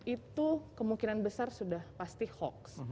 itu kemungkinan besar sudah pasti hoax